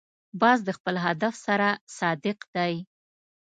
باز د خپل هدف سره صادق دی